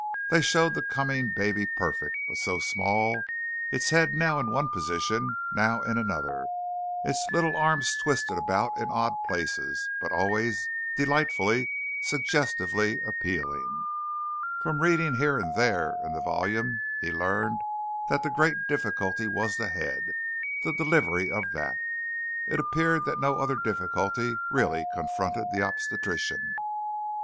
They showed the coming baby perfect, but so small, its head now in one position, now in another, its little arms twisted about in odd places, but always delightfully, suggestively appealing. From reading here and there in the volume, he learned that the great difficulty was the head the delivery of that. It appeared that no other difficulty really confronted the obstetrician.